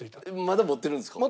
まだ持ってるんですか？